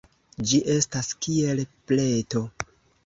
Ĝi estas kiel pleto.